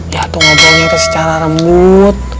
ya tuh ngobrolnya teh secara remut